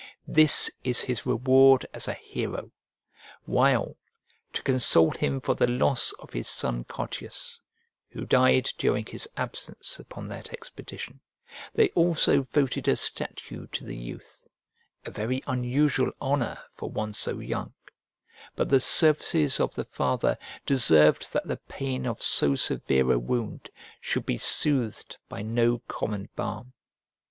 This is his reward as a hero, while, to console him for the loss of his son Cottius, who died during his absence upon that expedition, they also voted a statue to the youth; a very unusual honour for one so young; but the services of the father deserved that the pain of so severe a wound should be soothed by no common balm.